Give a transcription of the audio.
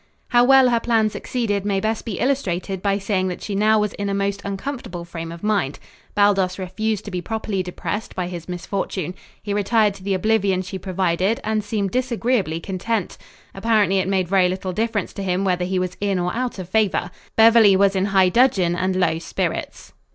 How well her plan succeeded may best be illustrated by saying that she now was in a most uncomfortable frame of mind. Baldos refused to be properly depressed by his misfortune. He retired to the oblivion she provided and seemed disagreeably content. Apparently, it made very little difference to him whether he was in or out of favor. Beverly was in high dudgeon and low spirits.